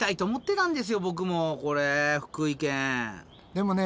でもね